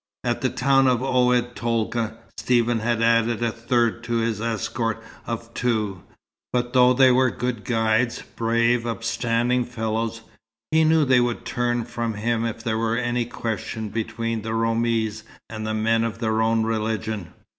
At the town of Oued Tolga, Stephen had added a third to his escort of two; but though they were good guides, brave, upstanding fellows, he knew they would turn from him if there were any question between Roumis and men of their own religion.